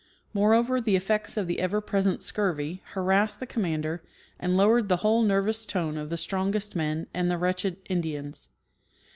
Moreover, the eff'ects of the ever present scurv}^ harassed the commander and lowered the whole nervous tone of the strongest men and the wretched In dians.